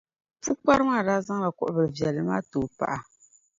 Pukpara maa daa zaŋla kuɣʼ bilʼ viɛlli maa n-ti o paɣa.